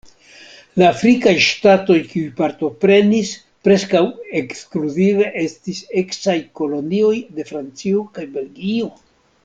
La afrikaj ŝtatoj, kiuj partoprenis, preskaŭ ekskluzive estis eksaj kolonioj de Francio kaj Belgio.